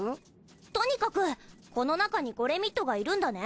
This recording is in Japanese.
とにかくこの中にゴレミッドがいるんだね？